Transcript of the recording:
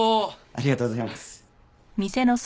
ありがとうございます。